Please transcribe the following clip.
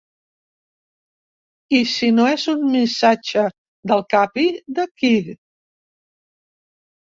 I si no és un missatge del Capi, ¿de qui?